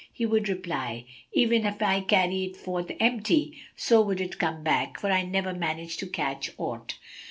he would reply, "Even as I carry it forth empty, so would it come back, for I never manage to catch aught."